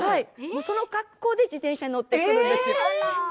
その格好で自転車に乗ってくるんです。